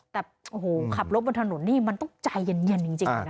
แต่ขับรถบนถนนนี่มันต้องจ่ายเย็นจริงนะ